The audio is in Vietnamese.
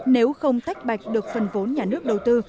nếu không tách bạch được phần vốn nhà nước đầu tư